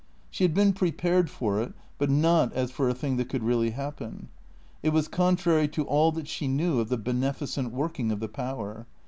She had been prepared for it, but not as for a thing that could really happen. It was contrary to all that she knew of the beneficent working of the Power.